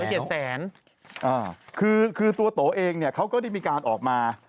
แต่ตัวตัวตัวเองเขาก็ได้มีการออกมา